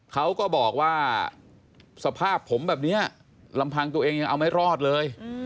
เขาก็บอกว่าสภาพผมแบบนี้ลำพังตัวเองยังเอาไม่รอดเลย